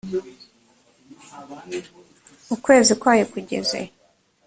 ukwezi kwayo kugeze